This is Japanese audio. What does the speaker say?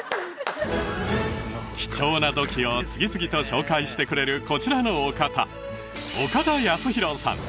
貴重な土器を次々と紹介してくれるこちらのお方岡田康博さん